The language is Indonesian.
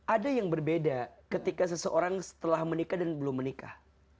ada yang berbeda ketika seseorang setelah menikah dan belum menikah